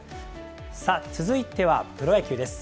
さあ、続いてはプロ野球です。